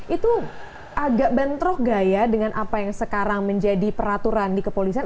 itu agak bentrok gak ya dengan apa yang sekarang menjadi peraturan di kepolisian